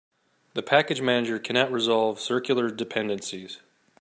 The package manager cannot resolve circular dependencies.